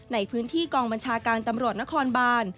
ในพื้นที่กองบัญชาการตำรวจนครบาน